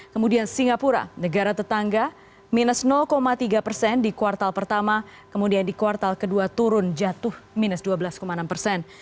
kemudian singapura negara tetangga minus tiga persen di kuartal pertama kemudian di kuartal kedua turun jatuh minus dua belas enam persen